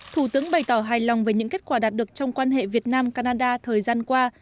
thủ tướng bày tỏ hài lòng về những kết quả đạt được trong quan hệ việt nam canada thời gian qua